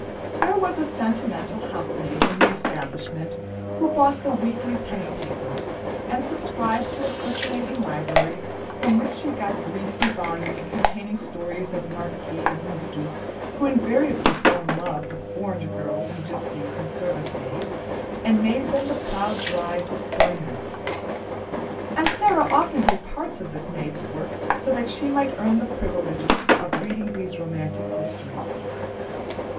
There was a sentimental housemaid in the establishment who bought the weekly penny papers, and subscribed to a circulating library, from which she got greasy volumes containing stories of marquises and dukes who invariably fell in love with orange girls and gypsies and servant maids, and made them the proud brides of coronets; and Sara often did parts of this maid's work so that she might earn the privilege of reading these romantic histories.